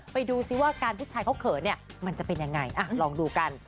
ไปดูซิว่าการผู้ชายเขาเขินเนี่ยมันจะเป็นยังไงลองดูกัน